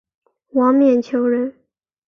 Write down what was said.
王晏球人。